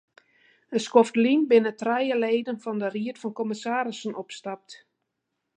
In skoft lyn binne trije leden fan de ried fan kommissarissen opstapt.